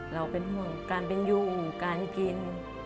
เราเป็นห่วงการเป็นอยู่การกิน